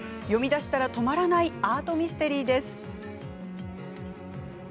読みだしたら止まらないアートミステリーです。